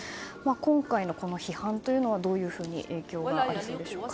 今回の批判というのはどういうふうに影響がありそうでしょうか？